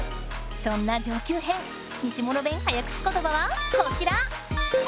そんな上級編西諸弁早口ことばはこちら！